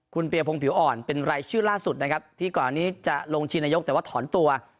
คุณเปียพงผิวอ่อนเป็นรายชื่อล่าสุดนะครับที่ก่อนนี้จะลงชินนายกแต่ว่าถอนตัว